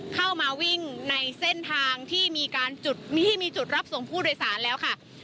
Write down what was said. เข้ามาวิ่งในเส้นทางที่มีการจุดที่มีจุดรับส่งผู้โดยสารแล้วค่ะ